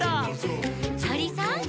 「とりさん！」